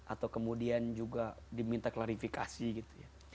atau kemudian juga diminta klarifikasi gitu ya